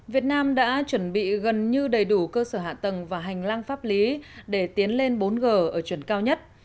việt nam đã chuẩn bị gần như đầy đủ cơ sở hạ tầng và hành lang pháp lý để tiến lên bốn g ở chuẩn cao nhất